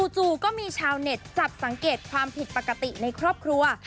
จู่ก็มีชาวเน็ตจับสังเกตความผิดปกติในครอบครัว